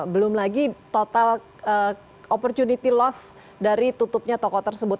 belum lagi total opportunity loss dari tutupnya toko tersebut